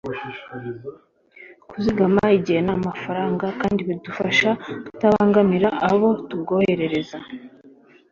kuzigama igihe n'amafaranga kandi bidufashe kutabangamira abo tubwoherereza